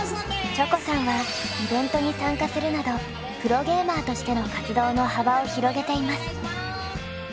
チョコさんはイベントに参加するなどプロゲーマーとしての活動の幅を広げています。